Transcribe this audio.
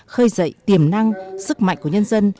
khơi dậy tiềm năng sức mạnh của nhân dân